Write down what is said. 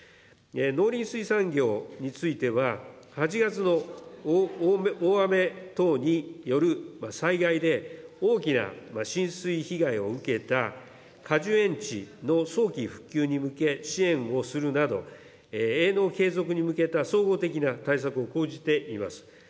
農林水産業については、８月の大雨等による災害で、大きな浸水被害を受けた果樹園地の早期復旧に向け、支援をするなど、営農継続に向けた総合的な対策を講じています。